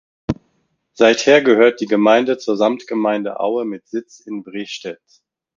Seither gehört die Gemeinde zur Samtgemeinde Aue mit Sitz in Wrestedt.